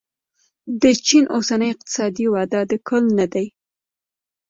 د چین اوسنۍ اقتصادي وده د کل نه دی.